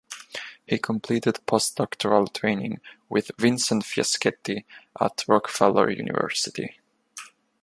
He completed postdoctoral training with Vincent Fischetti at Rockefeller University.